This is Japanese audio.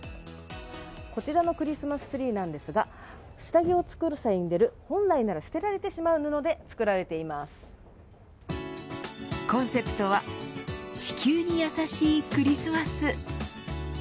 こちらのクリスマスツリーなんですが下着を作る際に出る、本来なら捨てられてしまう布でコンセプトは地球にやさしいクリスマス。